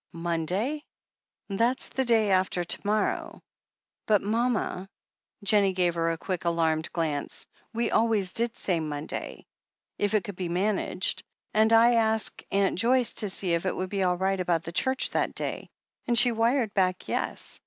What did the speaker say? "Monday? That's the day after to morrow." "But mama " Jennie gave her a quick, alarmed glance. "We always did say Monday, if it could be managed. And I asked Aunt Joyce to see if it would be all right about the church that day, and she wired back yes.